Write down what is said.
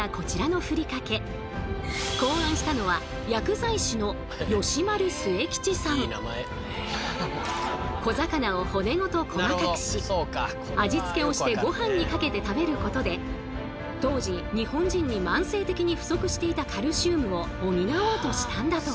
その元祖ともいわれるのが小魚を骨ごとこまかくし味付けをしてごはんにかけて食べることで当時日本人に慢性的に不足していたカルシウムを補おうとしたんだとか。